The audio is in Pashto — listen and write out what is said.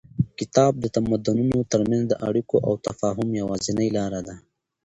کتاب د تمدنونو تر منځ د اړیکو او تفاهم یوازینۍ لاره ده.